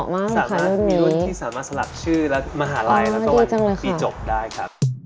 มีรุ่นที่สามารถสลักชื่อและมหาลัยและตัววันปีจบได้ครับ